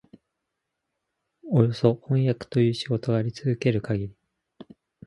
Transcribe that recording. およそ飜訳という仕事があり続けるかぎり、